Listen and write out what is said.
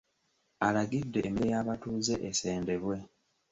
Alagidde emmere y’abatuuze esendebwe.